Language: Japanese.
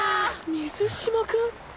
水嶋君。は。